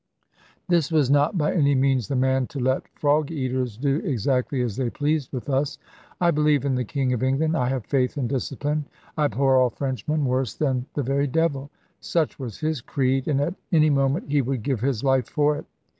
This was not by any means the man to let frog eaters do exactly as they pleased with us. "I believe in the King of England; I have faith in discipline; I abhor all Frenchmen worse than the very devil." Such was his creed; and at any moment he would give his life for it.